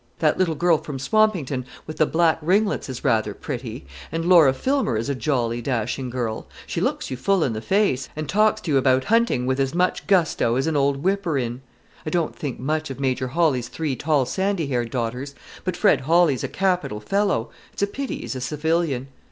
That little girl from Swampington with the black ringlets is rather pretty; and Laura Filmer is a jolly, dashing girl; she looks you full in the face, and talks to you about hunting with as much gusto as an old whipper in. I don't think much of Major Hawley's three tall sandy haired daughters; but Fred Hawley's a capital fellow: it's a pity he's a civilian.